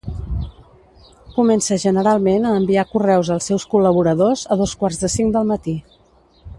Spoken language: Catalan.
Comença generalment a enviar correus als seus col·laboradors a dos quarts de cinc del matí.